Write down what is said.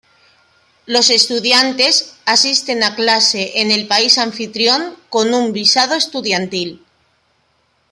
Los estudiantes asisten a clase en el país anfitrión con un visado estudiantil.